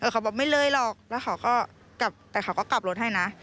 เขาบอกไม่เลยหรอกแต่เขาก็กลับรถให้นะ